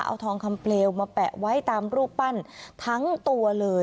เอาทองคำเปลวมาแปะไว้ตามรูปปั้นทั้งตัวเลย